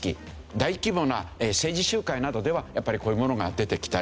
大規模な政治集会などではやっぱりこういうものが出てきたり。